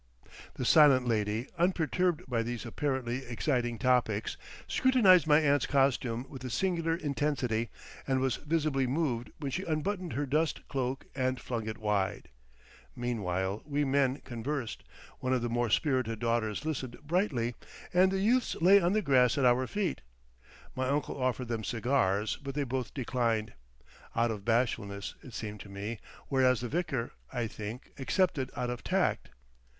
The silent lady, unperturbed by these apparently exciting topics, scrutinised my aunt's costume with a singular intensity, and was visibly moved when she unbuttoned her dust cloak and flung it wide. Meanwhile we men conversed, one of the more spirited daughters listened brightly, and the youths lay on the grass at our feet. My uncle offered them cigars, but they both declined,—out of bashfulness, it seemed to me, whereas the vicar, I think, accepted out of tact.